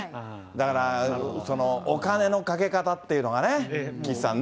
だからお金のかけ方っていうのがね、岸さんね。